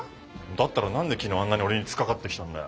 だったら何で昨日あんなに俺につっかかってきたんだよ。